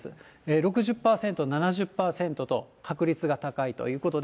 ６０％、７０％と、確率が高いということで、